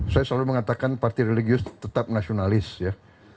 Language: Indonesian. saya selalu mengatakan partai religius tetap nasionalis ya